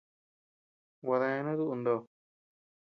Gua deanu duʼu ndo.